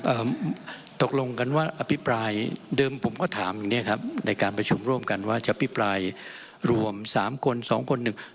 ตกลงกันว่าอภิปรายเดิมผมก็ถามอย่างเงี้ครับในการประชุมร่วมกันว่าจะพิปรายรวมสามคนสองคนหนึ่ง